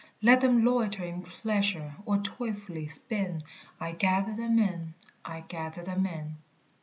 Let them loiter in pleasure or toilfully spin I gather them in, I gather them in.